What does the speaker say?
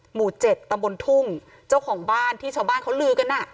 หมู่๗ตำบลทุ่งเจ้าของบ้านที่ชาวบ้านเขาลือกันอ่ะ